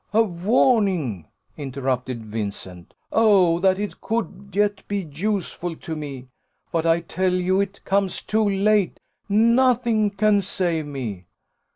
"A warning!" interrupted Vincent: "Oh, that it could yet be useful to me! But I tell you it comes too late nothing can save me."